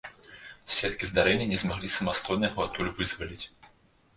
Сведкі здарэння не змаглі самастойна яго адтуль вызваліць.